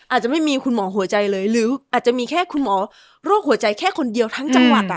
อาจจะไม่มีคุณหมอหัวใจเลยหรืออาจจะมีแค่คุณหมอโรคหัวใจแค่คนเดียวทั้งจังหวัด